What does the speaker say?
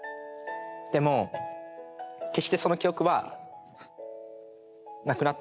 でも決してその記憶はなくなったわけではなく。